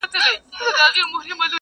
انسان وجدان سره ژوند کوي تل